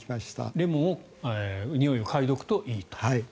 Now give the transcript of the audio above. レモンのにおいを嗅いでおくといいと。